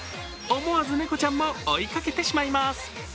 思わず猫ちゃんも追いかけてしまいます。